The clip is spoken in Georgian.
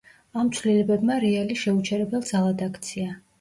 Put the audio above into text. ამ ცვლილებებმა „რეალი“ შეუჩერებელ ძალად აქცია.